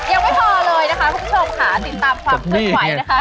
ยังไม่พอเลยนะคะคุณผู้ชมค่ะติดตามความเคลื่อนไหวนะคะ